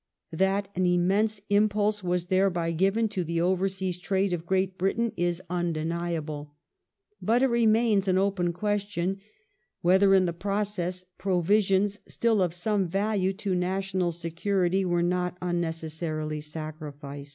That an immense impulse was thereby given to the ovei*sea trade of Great Britain is undeniable ; but it remains an open question whether in the process provisions still of some value to national security were not unnecessarily sacrificed.